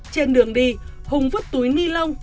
trên đường đi hùng vứt túi ni lông